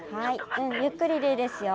うんゆっくりでいいですよ。